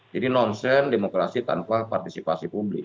jadi nonsen demokrasi tanpa partisipasi publik